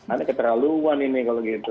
ada keterlaluan ini kalau gitu